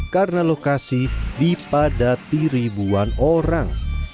karena lokasi dipadati ribuan orang